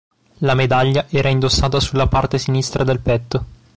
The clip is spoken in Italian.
La medaglia era indossata sulla parte sinistra del petto.